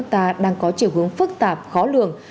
đối tượng phạm tội đang có chiều hướng phức tạp khó lường